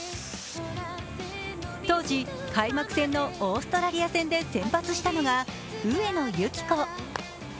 当時、開幕戦のオーストラリア戦で先発したのが上野由岐子。